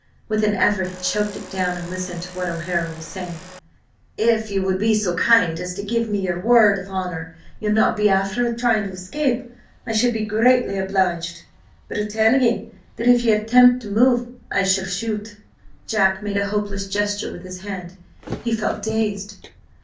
With an effort he choked it down and listened to what O'Hara was saying: "If ye will be so kind as to give me your word of honour ye'll not be afther trying to escape, I should be greatly obliged. But I tell ye first that if ye attempt to move, I shall shoot." Jack made a hopeless gesture with his hand. He felt dazed.